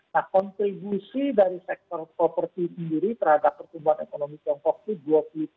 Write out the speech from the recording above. nah kontribusi dari sektor properti sendiri terhadap pertumbuhan ekonomi tiongkok itu dua puluh tiga dua puluh lima